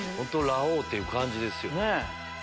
ラオウ！って感じですよ。